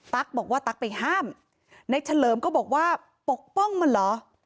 บอกว่าตั๊กไปห้ามในเฉลิมก็บอกว่าปกป้องมันเหรอ